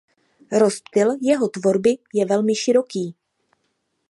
Rozptyl jeho tvorby je velmi široký.